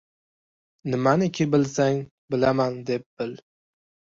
Nimaniki bilsang, bilaman, deb bil